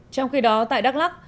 trong khi đó tại đắk lắk